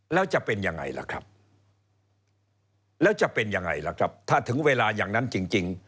แล้วจะเป็นยังไงล่ะครับถ้าถึงเวลาอย่างนั้นจริง